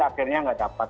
akhirnya tidak dapat